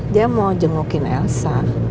dia mau jengukin elsa